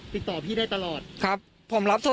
ติดต่อพี่ได้ตลอดครับผมรับโทร